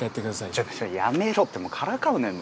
ちょっとやめろってもうからかうなよ。